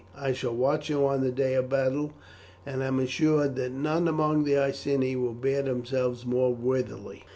I shall watch you on the day of battle, and am assured that none among the Iceni will bear themselves more worthily."